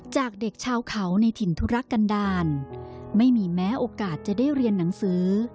จากเด็กชาวเขาในถิ่นธุรกันดาลไม่มีแม้โอกาสจะได้เรียนหนังสือ